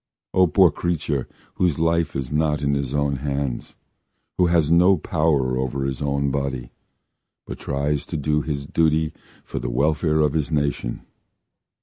O poor creature! Whose life is not in his own hands, Who has no power over his own body, But tries to do his duty For the welfare of his nation.